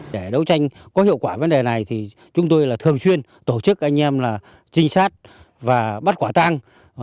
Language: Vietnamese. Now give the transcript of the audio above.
để đấu tranh có hiệu quả vấn đề này thì chúng tôi là thường xuyên tổ chức anh em là trinh sát và bắt quả tăng